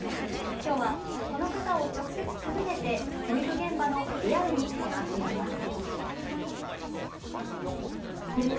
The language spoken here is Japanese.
きょうはこの方を直接訪ねて保育現場のリアルに迫っていきます。